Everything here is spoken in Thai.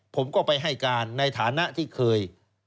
ผมก็ไปให้การในฐานะที่เคย